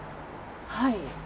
はい。